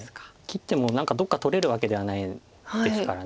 切っても何かどっか取れるわけではないですから。